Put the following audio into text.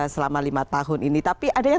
selama lima tahun ini tapi ada yang